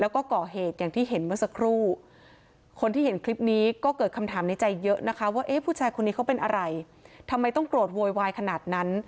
แล้วก็ก่อเหตุอย่างที่เห็นเมื่อสักครู่คนที่เห็นคลิปนี้ก็เกิดคำถามในใจเยอะนะคะว่าเอ๊ะผู้ชายคนนี้เขาเป็นอะไรทำไมต้องโกรธโวยวายขนาดนั้น